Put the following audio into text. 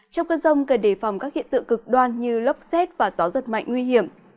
trong cơn rông cần đề phòng các hiện tượng cực đoan như lốc xét và gió giật mạnh nguy hiểm